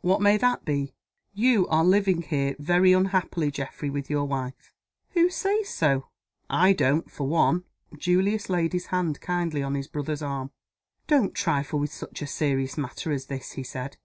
"What may that be?" "You are living here very unhappily, Geoffrey, with your wife." "Who says so? I don't, for one." Julius laid his hand kindly on his brother's arm. "Don't trifle with such a serious matter as this," he said.